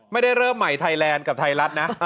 ไม่ได้เริ่มใหม่ไทยแลนด์กับไทยรัฐนะ